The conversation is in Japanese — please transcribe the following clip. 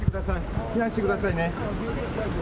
避難してくださいね。